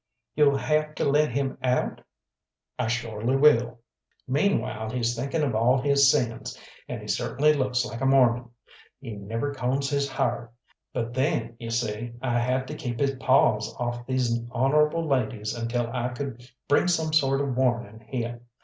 "You'll have to let him out?" "I shorely will; meanwhile he's thinking of all his sins, and he certainly looks like a Mormon. He never combs his ha'r. But then, you see, I had to keep his paws off these honourable ladies until I could bring some sort of warning heah.